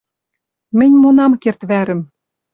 Мӹнь мон ам керд вӓрӹм.